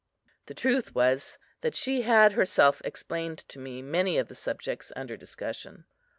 The truth was that she had herself explained to me many of the subjects under discussion.